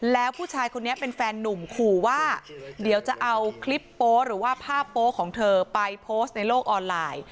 แล้วผู้ชายคนนี้เป็นแฟนนุ่มขู่ว่าเดี๋ยวจะเอาคลิปโป๊หรือว่าภาพโป๊ของเธอไปโพสต์ในโลกออนไลน์